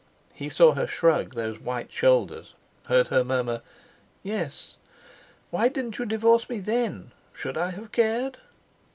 He saw her shrug those white shoulders, heard her murmur: "Yes. Why didn't you divorce me then? Should I have cared?"